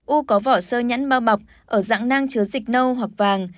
u có vỏ sơ nhãn bao bọc ở dạng nang chứa dịch nâu hoặc vàng